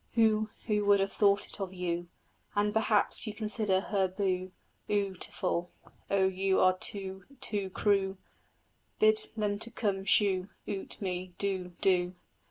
Who, who would have thought it of you! And perhaps you consider her beau Oo tiful! O you are too too cru Bid them come shoo oot me, do, do!